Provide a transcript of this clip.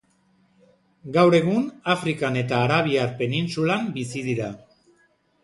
Gaur egun Afrikan eta Arabiar Penintsulan bizi dira.